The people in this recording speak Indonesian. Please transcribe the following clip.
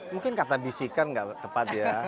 mungkin kata bisikkan tidak tepat ya